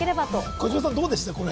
児嶋さん、どうでした？